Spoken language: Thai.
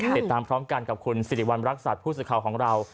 ติดตามพร้อมกันกับคุณสิริวัณรักษัตริย์ผู้สื่อข่าวของเรา